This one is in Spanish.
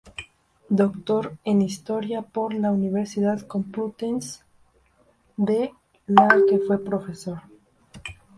Doctor en Historia por la Universidad Complutense, de la que fue profesor.